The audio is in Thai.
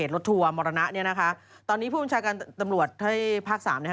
รถทัวร์มรณะเนี่ยนะคะตอนนี้ผู้บัญชาการตำรวจให้ภาคสามนะคะ